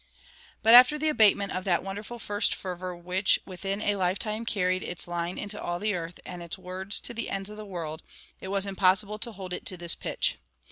"[145:1] But after the abatement of that wonderful first fervor which within a lifetime carried "its line into all the earth, and its words to the ends of the world," it was impossible to hold it to this pitch.